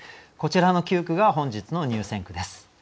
こちらの９句が本日の入選句です。